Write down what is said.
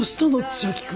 千秋君。